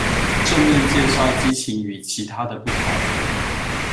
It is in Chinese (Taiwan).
正面介紹激情與其他的不同